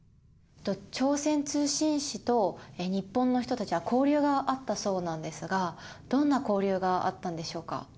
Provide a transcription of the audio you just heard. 朝鮮通信使と日本の人たちは交流があったそうなんですがどんな交流があったんでしょうか。